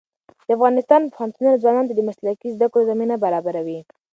د افغانستان پوهنتونونه ځوانانو ته د مسلکي زده کړو زمینه برابروي.